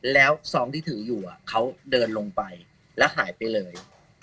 แล้วซองที่ถืออยู่เขาเดินลงไปแล้วหายไปเลย